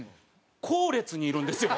後列にいるんですよ。